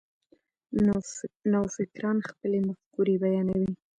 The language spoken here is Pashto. نوفکران خپلې مفکورې بیانوي.